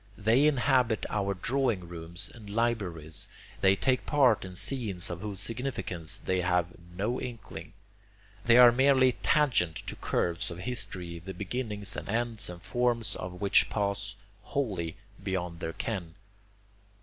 They inhabit our drawing rooms and libraries. They take part in scenes of whose significance they have no inkling. They are merely tangent to curves of history the beginnings and ends and forms of which pass wholly beyond their ken.